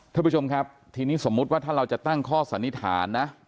ท่านผู้ชมครับทีนี้สมมุติว่าถ้าเราจะตั้งข้อสันนิษฐานนะ